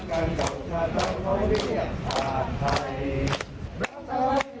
แกรบเข้าคือรับเอาลิ้งไหนทำกระดานคืนนั้นดอ